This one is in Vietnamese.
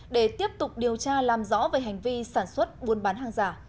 để tiếp tục điều tra làm rõ về hành vi sản xuất buôn bán hàng giả